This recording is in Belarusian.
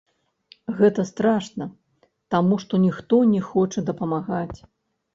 Гэта страшна, таму што ніхто не хоча дапамагаць.